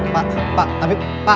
pak pak tapi pak